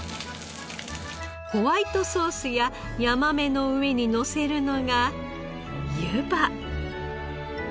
ホワイトソースやヤマメの上にのせるのがゆば。